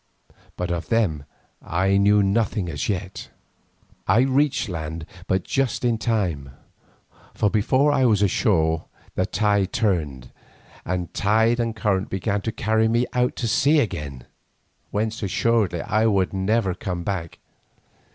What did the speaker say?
But of them I knew nothing as yet. I reached land but just in time, for before I was ashore the tide turned, and tide and current began to carry me out to sea again, whence assuredly I had never come back.